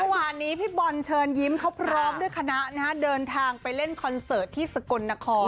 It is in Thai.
เมื่อวานนี้พี่บอลเชิญยิ้มเขาพร้อมด้วยคณะเดินทางไปเล่นคอนเสิร์ตที่สกลนคร